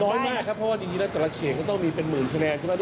น้อยมากครับเพราะว่าจริงแล้วแต่ละเขตก็ต้องมีเป็นหมื่นคะแนนใช่ไหม